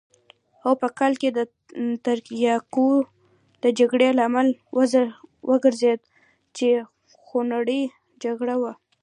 او په کال کې د تریاکو د جګړې لامل وګرځېد چې خونړۍ جګړه وه.